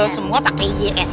semua pakai s y s y